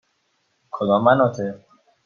کدام مناطق؟